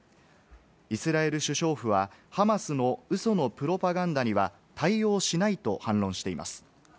イスラエル首相府はハマスのウソのプロパガンダには対応しないと反論しています。